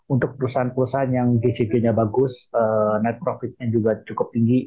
untuk perusahaan perusahaan yang gcg nya bagus net profit nya juga cukup tinggi